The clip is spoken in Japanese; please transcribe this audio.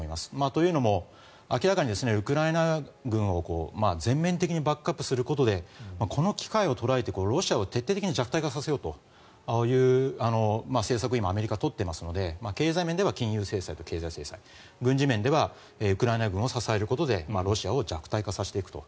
というのも、明らかにウクライナ軍を全面的にバックアップすることでこの機会を捉えてロシアを徹底的に弱体化させようという政策を今、アメリカが取っていますので経済面では金融制裁と経済制裁軍事面ではウクライナ軍を支えることでロシアを弱体化させていくと。